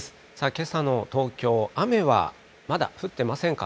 けさの東京、雨はまだ降ってませんか？